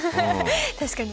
確かに。